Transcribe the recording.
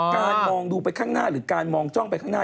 การมองดูไปข้างหน้าหรือการมองจ้องไปข้างหน้า